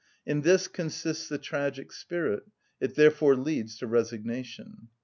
In this consists the tragic spirit: it therefore leads to resignation.